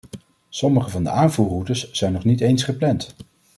Sommige van de aanvoerroutes zijn nog niet eens gepland.